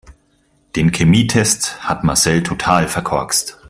Den Chemietest hat Marcel total verkorkst.